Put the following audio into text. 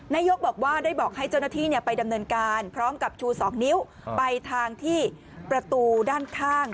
นายกบอกว่าได้บอกให้เจ้าหน้าที่ไปดำเนินการพร้อมกับชู๒นิ้วไปทางที่ประตูด้านข้าง